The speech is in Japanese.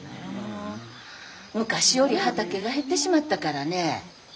昔より畑が減ってしまったからね。